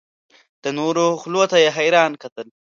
د نورو خولو ته یې حیران کتل.